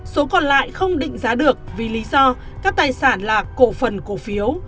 số còn lại không định giá được vì lý do các tài sản là cổ phần cổ phiếu